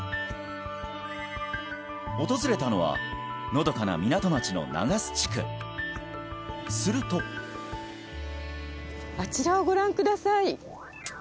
訪れたのはのどかな港町の長洲地区するとあちらをご覧ください